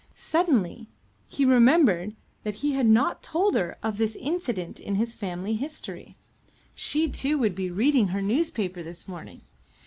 Suddenly he remembered that he had not told her of this incident in his family history. She too would be reading her newspaper this morning.